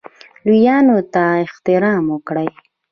لویانو ته احترام وکړئ